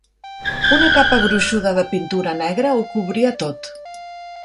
Una capa gruixuda de pintura negra ho cobria tot.